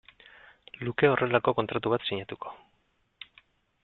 luke horrelako kontratu bat sinatuko.